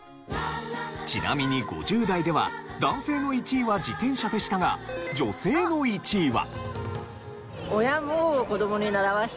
ちなみに５０代では男性の１位は自転車でしたが女性の１位は。